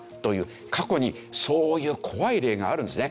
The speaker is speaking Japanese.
過去にそういう怖い例があるんですね。